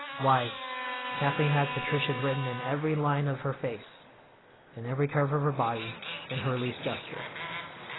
Why, Kathleen had patrician written in every line of her face, in every curve of her body, in her least gesture.